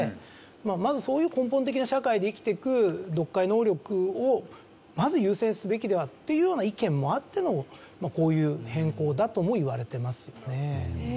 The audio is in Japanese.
まずそういう根本的な社会で生きていく読解能力をまず優先すべきではっていうような意見もあってのこういう変更だともいわれてますよね。